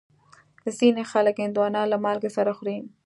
ځینې خلک هندوانه له مالګې سره خوري.